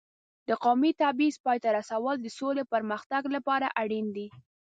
د قومي تبعیض پای ته رسول د سولې او پرمختګ لپاره اړین دي.